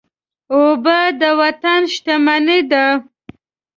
اوبه د وطن شتمني ده.